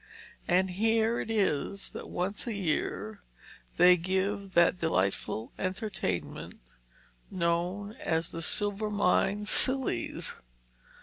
And here it is that once a year they give that delightful entertainment known as the Silvermine Sillies.